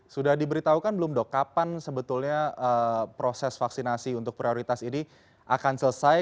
sudah diberitahukan belum dok kapan sebetulnya proses vaksinasi untuk prioritas ini akan selesai